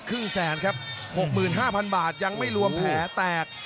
ครึ่งแสนครับ๖๕๐๐บาทยังไม่รวมแผลแตก